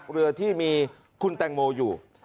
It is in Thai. เรือที่มีคุณแตงโมอยู่